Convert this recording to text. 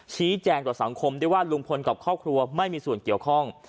ชี้แจงต่อสังคมได้ว่าลุงพลกับครอบครัวไม่มีส่วนเกี่ยวข้อง